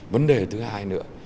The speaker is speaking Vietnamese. vấn đề thứ hai nữa